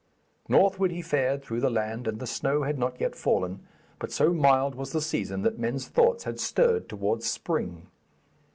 Northward he fared through the land, and the snow had not yet fallen, but so mild was the season that men's thoughts had stirred towards spring.